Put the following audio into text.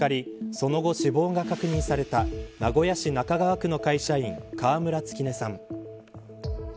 その後、死亡が確認された名古屋市中川区の会社員川村月音さん。